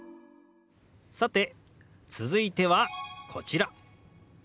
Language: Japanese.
さて続いてはこちら。